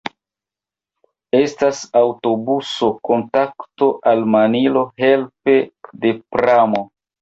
Estas aŭtobusa kontakto al Manilo helpe de pramo.